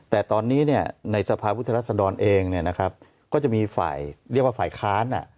แต่ตอนนี้เนี่ยในสภาพุทธรรษดรเองเนี่ยนะครับก็จะมีฝ่ายเรียกว่าฝ่ายค้าน